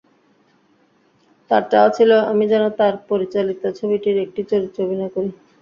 তার চাওয়া ছিল আমি যেন তার পরিচালিত ছবিটির একটি চরিত্রে অভিনয় করি।